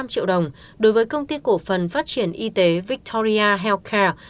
bốn mươi năm triệu đồng đối với công ty cổ phần phát triển y tế victoria healthcare